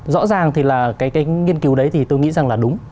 rõ ràng thì là cái nghiên cứu đấy thì tôi nghĩ rằng là đúng